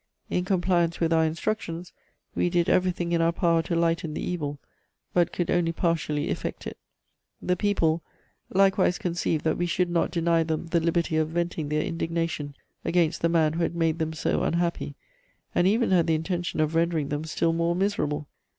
In compliance with our instructions, we did everything in our power to lighten the evil, but could only partially effect it.... The people ... likewise conceived that we should not deny them the liberty of venting their indignation against the man who had made them so unhappy, and even had the intention of rendering them still more miserable....